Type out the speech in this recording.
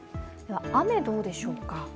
雨はどうでしょうか？